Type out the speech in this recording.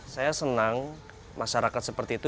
saya senang masyarakat seperti itu